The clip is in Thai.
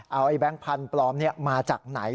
เอาแบงค์พันธุ์ปลอมมาจากไหน